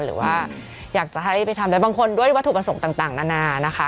หรือว่าอยากจะให้ไปทำแล้วบางคนด้วยวัตถุประสงค์ต่างนานานะคะ